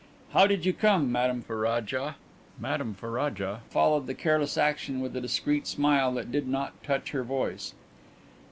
"How did you come, Madame Ferraja?" Madame Ferraja followed the careless action with a discreet smile that did not touch her voice.